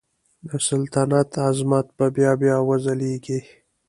د سلطنت عظمت به بیا وځلیږي.